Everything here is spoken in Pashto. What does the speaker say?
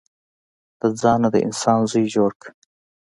د ځانه د انسان زوی جوړ که.